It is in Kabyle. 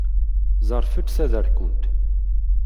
Ẓerfed taderkunt!